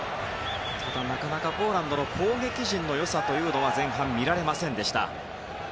なかなかポーランドの攻撃陣の良さというのは前半、見られませんでした。